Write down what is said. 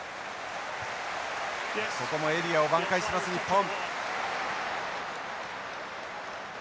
ここもエリアを挽回します日本。